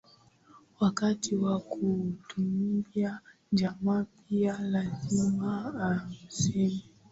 wakati wa kuhutubia jamaa mpya lazima aseme